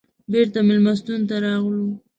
بېرته مېلمستون ته راغلو.